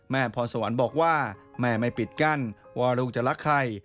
พรสวรรค์บอกว่าแม่ไม่ปิดกั้นว่าลูกจะรักใคร